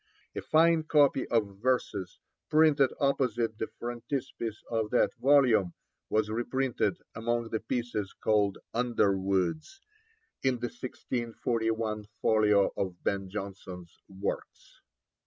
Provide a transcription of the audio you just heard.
A fine copy of verses, printed opposite the frontispiece of that volume, was reprinted among the pieces called Underwoods in the 1641 folio of Ben Jonson's Works.